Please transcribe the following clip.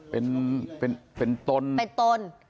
เป็นตนเป็นตน